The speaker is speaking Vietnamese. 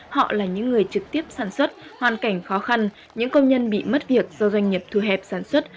họ là những người trực tiếp sản xuất hoàn cảnh khó khăn những công nhân bị mất việc do doanh nghiệp thu hẹp sản xuất